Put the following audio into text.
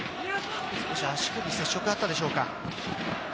足首に接触があったでしょうか？